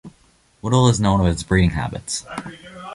Little is known of its breeding habits.